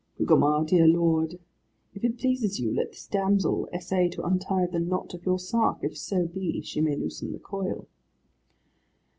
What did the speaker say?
"Gugemar, dear lord, if it pleases you, let this damsel essay to untie the knot of your sark, if so be she may loosen the coil."